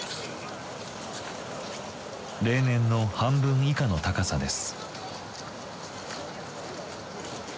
例年の半分以下の高さです。